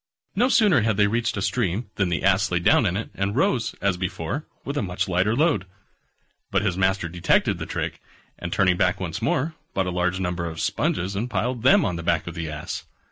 No sooner had they reached a stream than the Ass lay down in it, and rose, as before, with a much lighter load. But his master detected the trick, and turning back once more, bought a large number of sponges, and piled them on the back of the Ass.